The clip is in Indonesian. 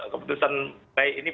keputusan baik ini